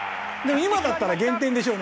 今だったら減点でしょうね。